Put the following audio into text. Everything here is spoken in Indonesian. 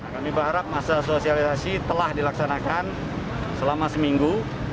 kami berharap masa sosialisasi telah dilaksanakan selama seminggu